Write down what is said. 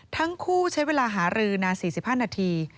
ทั้งคู่ใช้เวลาหารือนาน๔๕นาที